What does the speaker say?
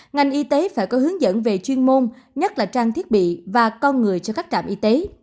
ngành y tế phải có hướng dẫn về chuyên môn nhất là trang thiết bị và con người cho các trạm y tế